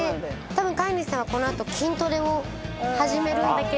たぶん飼い主さんはこの後筋トレを始めるんだけど。